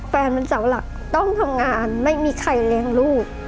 มันเป็นเสาหลักต้องทำงานไม่มีใครเลี้ยงลูก